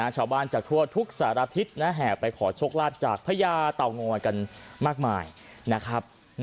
ชาวบ้านจากทั่วทุกสารทิศแห่ไปขอโชคลาภจากพญาเต่างอยกันมากมายนะครับ